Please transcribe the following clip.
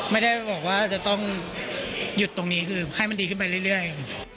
ไม่ได้บอกว่าจะต้องหยุดตรงนี้คือให้มันดีขึ้นไปเรื่อย